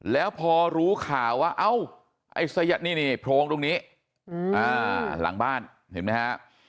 แล้วพอรู้ข่าวว่าเอ้าไอ้นี่โพรงตรงนี้หลังบ้านเห็นไหมฮะ